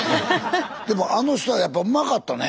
でもあの人はやっぱうまかったね。